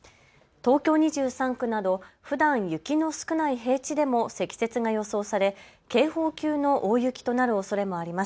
東京２３区などふだん雪の少ない平地でも積雪が予想され警報級の大雪となるおそれがあります。